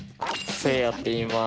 せいやっていいます。